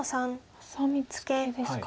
ハサミツケですか。